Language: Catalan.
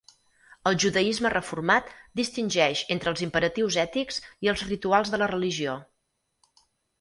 El judaisme reformat distingeix entre els imperatius ètics i els rituals de la religió.